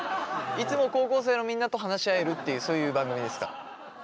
いつも高校生のみんなと話し合えるっていうそういう番組ですから。